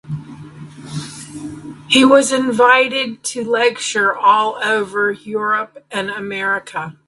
He was invited to lecture all over Europe and America.